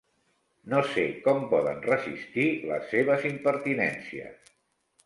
No sé com poden resistir les seves impertinències.